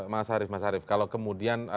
mas arief kalau kemudian